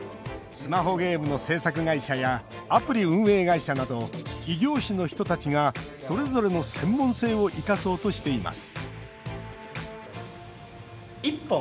スマホゲームの制作会社やアプリ運営会社など異業種の人たちがそれぞれの専門性を生かそうとしています